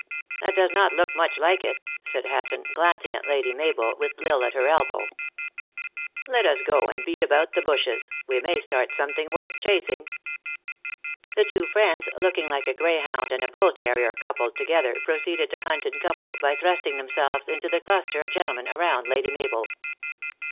"That does not look much like it," said Hatton, glancing at Lady Mabel, with L Isle at her elbow. 358 THE ACTRESS IN HIGH LIFE. 4 Let us go and beat about the bushes ; we may start some thing worth chasing !" The two friends, looking like a greyhound and a bull terrier coupled together, proceeded to hunt in couple, by thrusting themselves into the cluster of gentlemen around Lady Mabel.